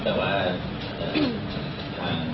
แต่ว่าอ่ะ